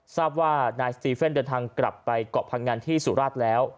ทราบว่านายสตีเฟ่นเดินทางกลับไปเกาะพังงันที่สุราชแล้ว